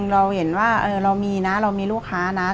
เราเห็นว่าเรามีนะเรามีลูกค้านะ